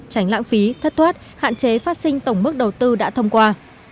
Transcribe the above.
tránh lãng phí thất thoát hạn chế phát sinh tổng mức đầu tư đã thông qua